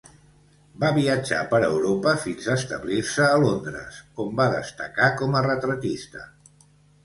Va viatjar per Europa fins a establir-se a Londres, on va destacar com a retratista.